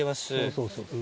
そうそう。